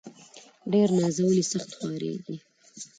ډير نازولي ، سخت خوارېږي.